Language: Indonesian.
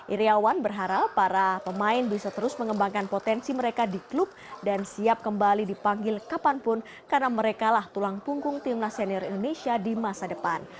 iryawan berharap para pemain bisa terus mengembangkan potensi mereka di klub dan siap kembali dipanggil kapanpun karena mereka lah tulang punggung timnas senior indonesia di masa depan